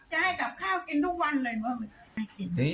จะให้กับข้าวกินทุกวันเลย